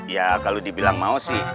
ya kalau dibilang mau sih